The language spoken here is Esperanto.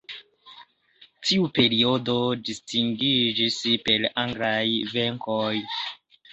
Tiu periodo distingiĝis per anglaj venkoj.